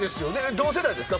同世代ですか？